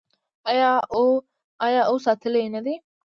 آیا او ساتلی یې نه دی؟